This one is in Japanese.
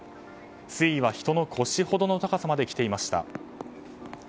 水位は人の腰ほどの高さまできていました。